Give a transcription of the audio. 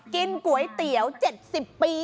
กินก๋วยเตี๋ยว๗๐ปี